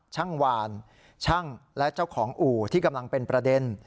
หวานช่างและเจ้าของอู่ที่กำลังเป็นประเด็น